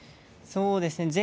そうですね